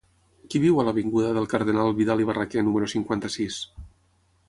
Qui viu a l'avinguda del Cardenal Vidal i Barraquer número cinquanta-sis?